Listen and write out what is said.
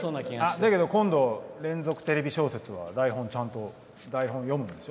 だけど、今度連続テレビ小説はちゃんと読むんですよ。